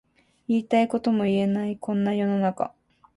言いたいことも言えないこんな世の中